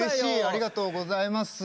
ありがとうございます。